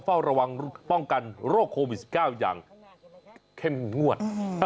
เฝ้าระวังป้องกันโรคโควิด๑๙อย่างเข้มงวด